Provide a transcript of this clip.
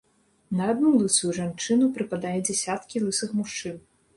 На адну лысую жанчыну прыпадае дзясяткі лысых мужчын.